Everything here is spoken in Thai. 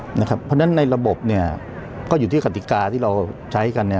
เพราะฉะนั้นในระบบก็อยู่ที่กติกาที่เราใช้กัน